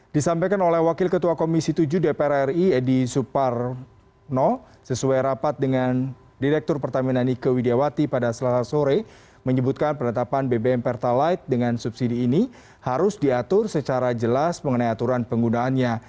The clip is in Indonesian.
disampaikan oleh wakil ketua komisi tujuh dpr ri edy suparno sesuai rapat dengan direktur pertamina nike widiawati pada selasa sore menyebutkan penetapan bbm pertalite dengan subsidi ini harus diatur secara jelas mengenai aturan penggunaannya